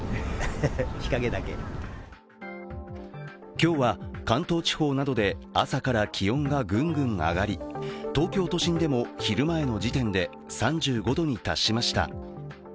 今日は関東地方などで朝から気温がグングン上がり、東京都心でも昼前の時点で、３５度に達しました。